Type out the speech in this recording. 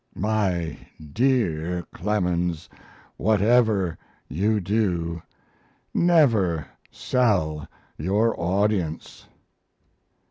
My dear Clemens, whatever you do, never sell your audience.'